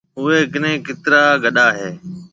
اوَي ڪنَي ڪيترا گڏا هِي؟